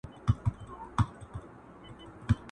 هغه مینه مړه سوه چي مي هیله نڅېده ورته!!